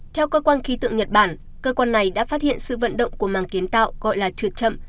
theo cơ quan khí tượng nhật bản cơ quan này đã phát hiện sự vận động của màng kiến tạo gọi là trượt chậm